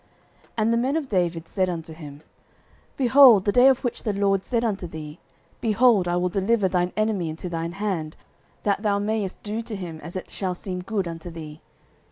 09:024:004 And the men of David said unto him, Behold the day of which the LORD said unto thee, Behold, I will deliver thine enemy into thine hand, that thou mayest do to him as it shall seem good unto thee.